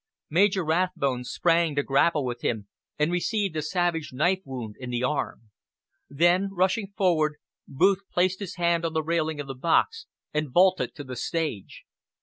Major Rathbone sprang to grapple with him, and received a savage knife wound in the arm. Then, rushing forward, Booth placed his hand on the railing of the box and vaulted to the stage.